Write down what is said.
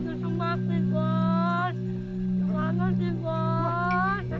aduh aduh aduh aduh aduh aduh aduh